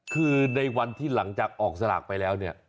คือในวันที่หลังจากออกสลากไปแล้วเนี่ย